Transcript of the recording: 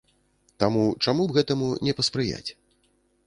Таму чаму б гэтаму не паспрыяць?